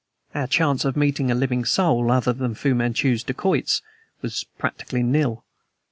Our chance of meeting a living soul, other than Fu Manchu's dacoits, was practically nil.